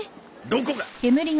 どこが！